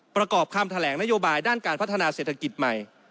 ประกอบคำแถลงนโยบายด้านการพัฒนาเศรษฐกิจใหม่